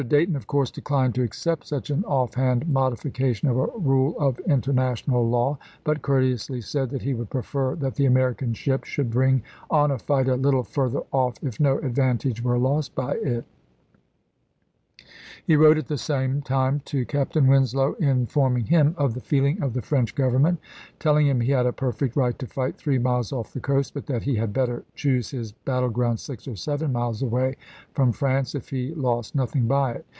Dayton, of course, declined to accept such an off hand modification of a rule of international law, but courteously said that he would prefer that the American ship should bring on a fight a little further off if no advantage were lost by it. He wrote, at the same time, to Captain Winslow, in Vol. IX.— 10 146 ABRAHAM LINCOLN Chap. VI. June, 1864. Winslow, Report, July 30, 1864. Report Secretary of the Navy, 1864, p. 630. forming him of the feeling of the French Govern ment, telling him he had a perfect right to fight three miles off the coast, but that he had better choose his battleground six or seven miles away from France, if he lost nothing by it.